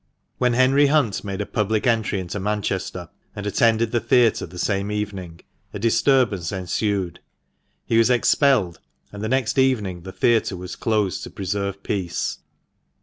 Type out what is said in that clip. When Henry Hunt made a public entry into Manchester, and attended the theatre the same evening, a disturbance ensued ; he was expelled, and the next evening the theatre was closed to preserve peace.